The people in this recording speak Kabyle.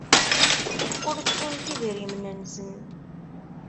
Ur ttunt idrimen-nsen.